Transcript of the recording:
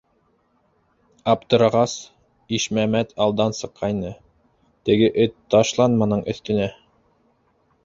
Аптырағас, Ишмәмәт алдан сыҡҡайны, теге эт ташлан мының өҫтөнә!